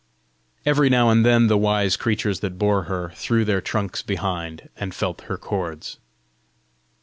Every now and then the wise creatures that bore her threw their trunks behind and felt her cords.